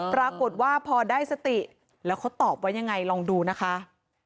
ปรากฏว่าพอได้สติแล้วเขาตอบว่ายังไงลองดูนะคะ